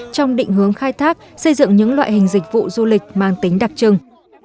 trong định hướng khai thác xây dựng những loại hình dịch vụ du lịch mang tính đặc trưng